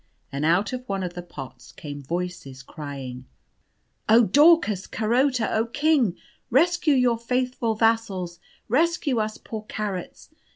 And out of one of the pots came voices, crying, "Oh Daucus Carota! Oh King, rescue your faithful vassals! Rescue us poor carrots!